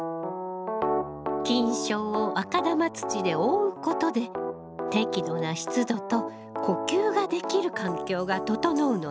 菌床を赤玉土で覆うことで適度な湿度と呼吸ができる環境が整うのね！